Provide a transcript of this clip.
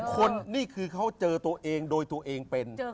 คนนี่คือเขาเจอตัวเองโดยตัวเองเป็น